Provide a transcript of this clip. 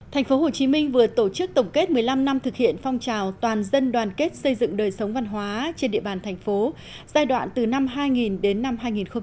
thành phố hồ chí minh vừa tổ chức tổng kết một mươi năm năm thực hiện phong trào toàn dân đoàn kết xây dựng đời sống văn hóa trên địa bàn thành phố giai đoạn từ năm hai nghìn đến năm hai nghìn một mươi sáu